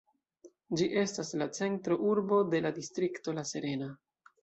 Ĝi estas la centra urbo de la distrikto La Serena.